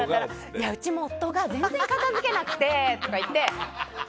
いや、うちも夫が全然片付けなくてとか言って。